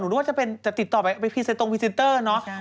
หนูรู้ว่าจะเป็นจะติดต่อไปตรงพิสินเตอร์เนอะ